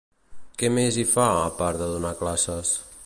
Què més hi fa, a part de donar classes?